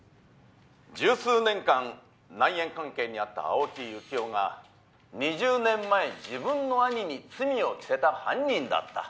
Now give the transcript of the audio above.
「十数年間内縁関係にあった青木由紀男が２０年前自分の兄に罪を着せた犯人だった」